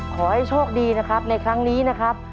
ขอให้โชคดีนะครับในครั้งนี้นะครับ